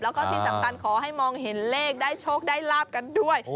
แล้วก็ที่สำคัญขอให้มองเห็นเลขได้โชคได้ลาบกันด้วย